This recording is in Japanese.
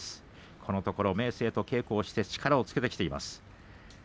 このところ明生と稽古をして力をつけている豊昇龍です。